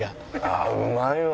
ああうまいわ。